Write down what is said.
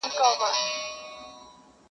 o لېونتوب غواړم چي د کاڼو په ویشتلو ارزي,